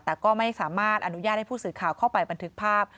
แต่ก็ไม่สามารถอนุญาตให้ผู้สื่อข่าวเข้าไปบันทึกภาพ